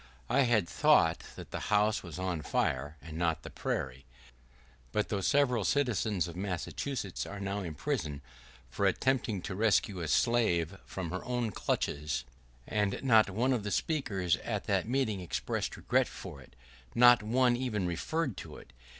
I had thought that the house was on fire, and not the prairie; but though several of the citizens of Massachusetts are now in prison for attempting to rescue a slave from her own clutches, not one of the speakers at that meeting expressed regret for it, not one even referred to it.